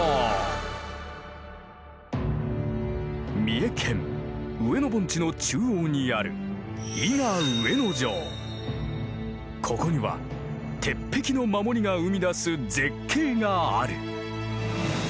三重県上野盆地の中央にあるここには鉄壁の守りが生み出す絶景がある。